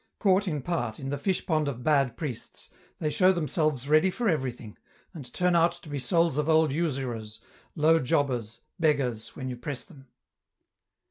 Caught in part, in the fishpond of bad priests, they show themselves ready for everything, and turn out to be souls of old usurers, low jobbers, beggars, when you press them.